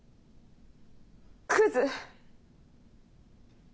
クズ。